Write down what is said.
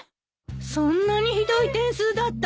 そんなにひどい点数だったの？